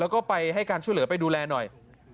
การช่วยเหลือไปดูแลหน่อย